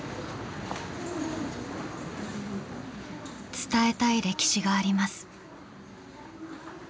伝えたい歴史があります。